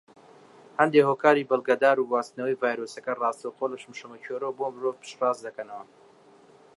هەندێک هۆکاری بەڵگەدار گواستنەوەی ڤایرۆسەکە ڕاستەوخۆ لە شەمشەمەکوێرەوە بۆ مرۆڤ پشت ڕاست دەکەنەوە.